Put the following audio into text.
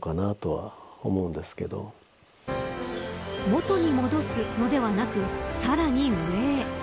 元に戻す、のではなくさらに上へ。